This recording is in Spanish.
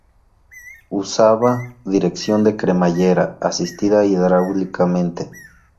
Usaba dirección de cremallera, asistida hidráulicamente.